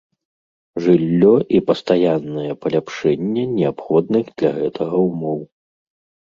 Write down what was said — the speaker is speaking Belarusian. Жыллё і пастаяннае паляпшэнне неабходных для гэтага ўмоў.